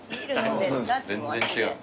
全然違う。